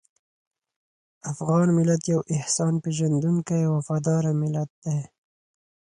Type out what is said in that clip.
افغان ملت یو احسان پېژندونکی او وفاداره ملت دی.